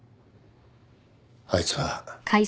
あいつは。